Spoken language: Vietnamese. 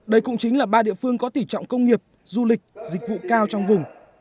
đây cũng chính là ba địa phương có tỉ trọng công nghiệp du lịch dịch vụ cao trong vùng